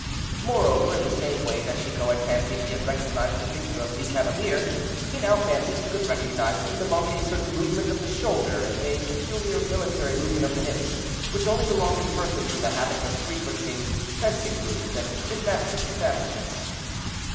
Moreover, in the same way that Chicot had fancied he had recognized the figure of the cavalier, he now fancied he could recognize in the monk a certain movement of the shoulder, and a peculiar military movement of the hips, which only belong to persons in the habit of frequenting fencing rooms and gymnastic establishments.